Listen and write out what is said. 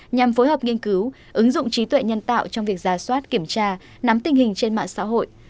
nhằm phối hợp nghiên cứu ứng dụng trí tuệ nhân tạo trong việc giả soát kiểm tra nắm tình hình trên mạng xã hội